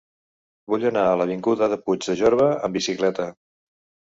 Vull anar a l'avinguda de Puig de Jorba amb bicicleta.